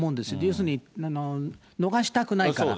要するに逃したくないから。